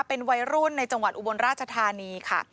เป็นวัยรุ่นในจังหวัดอุบลราชธานีค่ะ